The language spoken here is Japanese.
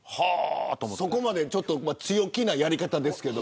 そこまで強気なやり方ですけど。